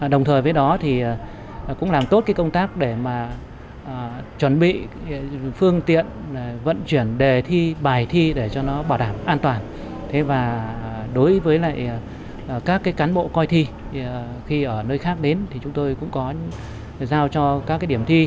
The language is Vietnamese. đối với các cán bộ coi thi khi ở nơi khác đến thì chúng tôi cũng có giao cho các điểm thi